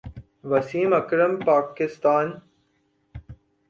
Wasim Akram Pakistan